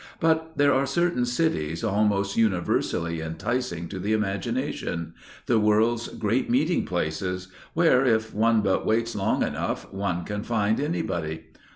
But there are certain cities almost universally enticing to the imagination the world's great meeting places, where, if one but waits long enough, one can find anybody.